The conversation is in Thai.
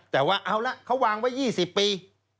แต่ว่าเอาละเขาวางไว้๒๐ปี